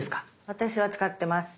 私は使ってます。